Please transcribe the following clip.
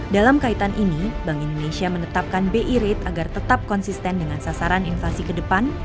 dalam kaitan ini bank indonesia menetapkan bi rate agar tetap konsisten dengan sasaran inflasi ke depan